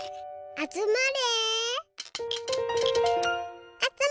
あつまれ。